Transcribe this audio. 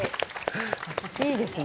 いいですね。